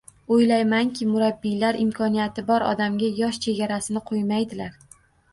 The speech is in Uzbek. Oʻylaymanki, murabbiylar imkoniyati bor odamga yosh chegarasini qoʻymaydilar.